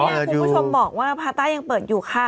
คุณผู้ชมบอกว่าพาต้ายังเปิดอยู่ค่ะ